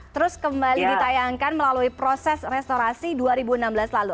terus kembali ditayangkan melalui proses restorasi dua ribu enam belas lalu